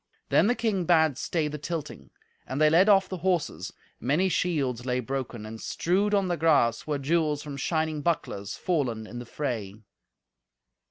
Then the king bade stay the tilting. And they led off the horses. Many shields lay broken, and, strewed on the grass, were jewels from shining bucklers, fallen in the fray.